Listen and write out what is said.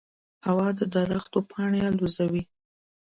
هوا د درختو پاڼې الوزولې.